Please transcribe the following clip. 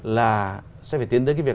là sẽ phải tiến tới cái việc